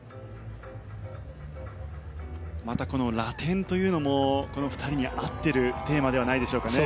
またラテンというのもこの２人に合っているテーマではないでしょうかね。